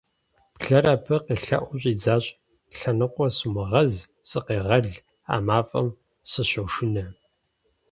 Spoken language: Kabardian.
Блэр абы къелъэӀуу щӀидзащ: - Лъэныкъуэ сумыгъэз, сыкъегъэл, а мафӀэм сыщошынэ!